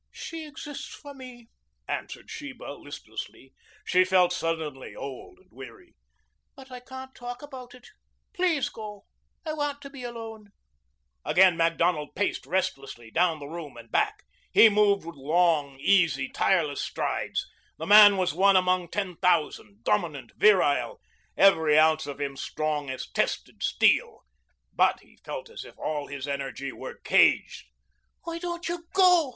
"She exists for me," answered Sheba listlessly. She felt suddenly old and weary. "But I can't talk about it. Please go. I want to be alone." Again Macdonald paced restlessly down the room and back. He moved with a long, easy, tireless stride. The man was one among ten thousand, dominant, virile, every ounce of him strong as tested steel. But he felt as if all his energy were caged. "Why don't you go?"